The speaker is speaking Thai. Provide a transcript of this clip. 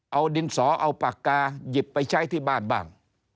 เอาดินสอเอาปากกาหยิบไปใช้ที่บ้านบ้าง